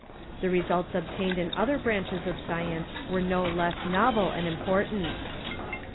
The results obtained in other branches of science were no less novel and important.